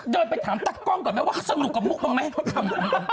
เดินไปถามตัดกล้องก่อนไหมว่าสรุปกับมุกบ้างไหม